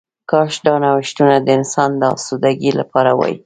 کاش دا نوښتونه د انسان د آسوده ګۍ لپاره وای